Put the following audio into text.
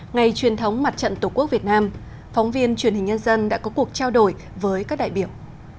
ngày truyền thống mặt trận tổ quốc việt nam phóng viên truyền hình nhân dân đã có cuộc trao đổi với các đại biểu